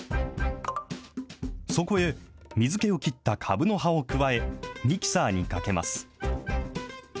そこへ水けを切ったかぶの葉を加え、ミキサーにかけます。